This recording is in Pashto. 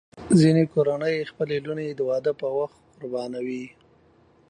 ځینې کورنۍ خپلې لوڼې د واده پر وخت قربانوي.